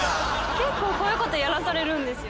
結構こういうことやらされるんですよ。